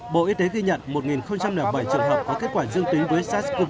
bộ y tế ghi nhận một bảy trường hợp có kết quả dương tính với sars cov hai